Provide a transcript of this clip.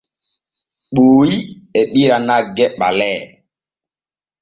Ɓooyi e ɓira nagge ɓalee.